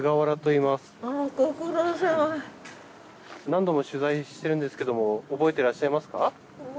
何度も取材しているんですけれども覚えてらっしゃいますか？